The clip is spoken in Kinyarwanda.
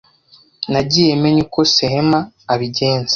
Nagiye menya uko Sehama abigenza.